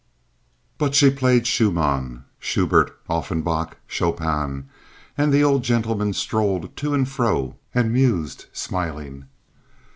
But she played Schumann, Schubert, Offenbach, Chopin, and the old gentleman strolled to and fro and mused, smiling.